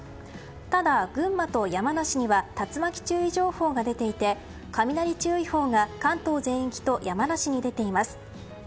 ただ群馬と山梨には竜巻注意情報が出ていて雷注意報が関東全域と山梨に出ています。